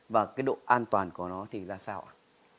và cái độ an toàn của nó thì ra sao ạ